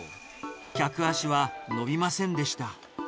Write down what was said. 客足は伸びませんでした。